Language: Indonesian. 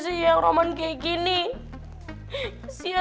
karena olga sedang suku di indonesia